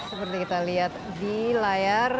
seperti kita lihat di layar